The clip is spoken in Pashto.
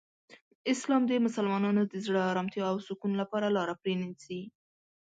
اسلام د مسلمانانو د زړه آرامتیا او سکون لپاره لاره پرانیزي.